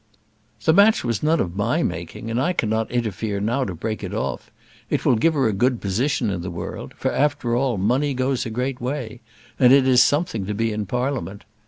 "The match was none of my making, and I cannot interfere now to break it off: it will give her a good position in the world; for, after all, money goes a great way, and it is something to be in Parliament.